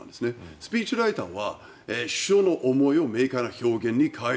スピーチライターは首相の思いを明解な文に変える。